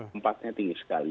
empatnya tinggi sekali